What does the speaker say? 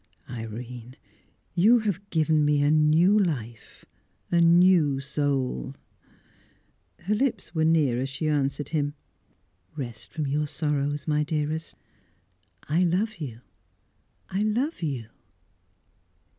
"Irene! You have given me a new life, a new soul!" Her lips were near as she answered him. "Rest from your sorrows, my dearest. I love you! I love you!"